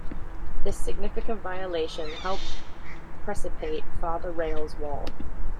This significant violation helped precipate Father Rale's War.